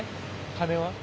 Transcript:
金は？